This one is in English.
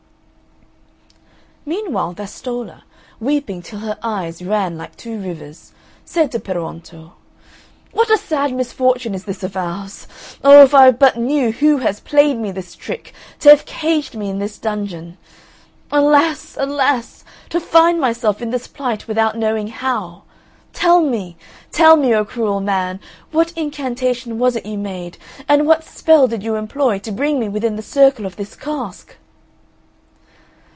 Meanwhile Vastolla, weeping till her eyes ran like two rivers, said to Peruonto, "What a sad misfortune is this of ours! Oh, if I but knew who has played me this trick, to have me caged in this dungeon! Alas, alas, to find myself in this plight without knowing how. Tell me, tell me, O cruel man, what incantation was it you made, and what spell did you employ, to bring me within the circle of this cask?"